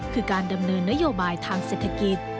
คือการดำเนินนโยบายทางเศรษฐกิจ